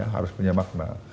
harus punya makna